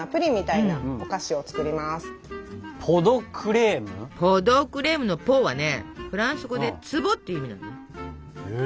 ポ・ド・クレームの「ポ」はねフランス語で「壺」っていう意味なのね。